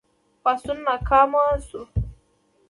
پاڅون ناکام شو.